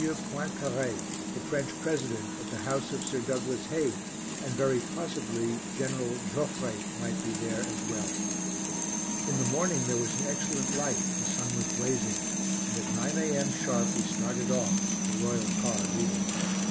Poincaré, the French President, at the house of Sir Douglas Haig, and very possibly General Joffre might be there, as well. In the morning there was an excellent light, the sun was blazing; and at 9 a.m. sharp we started off, the royal car leading.